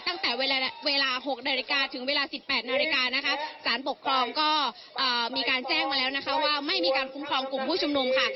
ตั้งแต่เวลา๖นาฬิกาถึงเวลาสิบแปดนาฬิกานะคะสารปกครองก็มีการแจ้งมาแล้วนะคะว่าไม่มีการคุ้มครองกลุ่มผู้ชุมนุมค่ะ